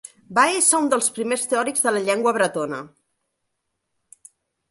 Va ésser un dels primers teòrics de la llengua bretona.